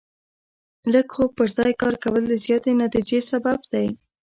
لږ خو په ځای کار کول د زیاتې نتیجې سبب دی.